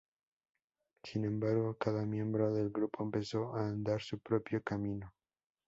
Sin embargo cada miembro del grupo empezó a andar su propio camino.